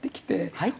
はい？